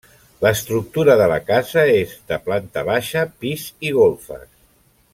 L'estructura de la casa és de planta baixa, pis i golfes.